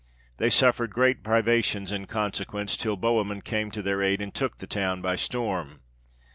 They suffered great privations in consequence, till Bohemund came to their aid and took the town by storm.